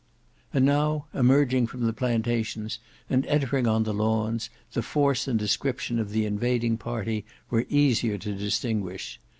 And now emerging from the plantations and entering on the lawns, the force and description of the invading party were easier to distinguish.